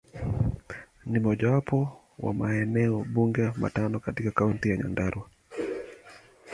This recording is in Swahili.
Ni mojawapo wa maeneo bunge matano katika Kaunti ya Nyandarua.